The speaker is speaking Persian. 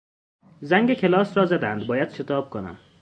زنگ کلاس را زدند باید شتاب کنم.